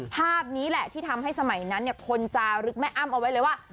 ภาพนี้แหละที่ทำให้สมัยนั้นคนจะลึกแม่อ้ำเอาไว้เลยว่า